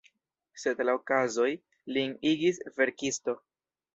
Sed la okazoj lin igis verkisto.